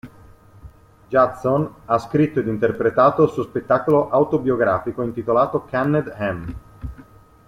Judson ha scritto ed interpretato il suo spettacolo autobiografico intitolato "Canned Ham".